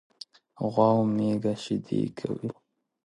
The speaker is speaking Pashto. غوا او میږه شيدي کوي.